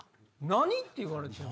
「何？」って言われても。